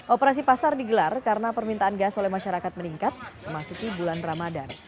operasi pasar digelar karena permintaan gas oleh masyarakat meningkat memasuki bulan ramadan